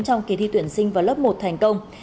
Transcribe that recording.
trong kỳ thi tuyển sinh vào lớp một thành công